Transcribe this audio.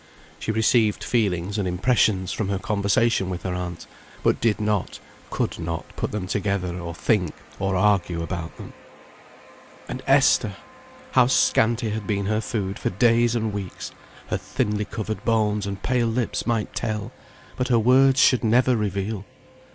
She received feelings and impressions from her conversation with her aunt, but did not, could not, put them together, or think or argue about them. And Esther! How scanty had been her food for days and weeks, her thinly covered bones and pale lips might tell, but her words should never reveal!